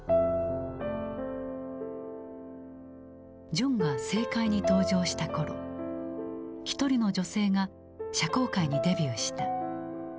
ジョンが政界に登場した頃ひとりの女性が社交界にデビューした。